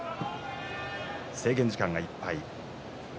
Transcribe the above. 制限時間がいっぱいです。